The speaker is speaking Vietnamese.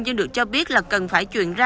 nhưng được cho biết là cần phải chuyển ra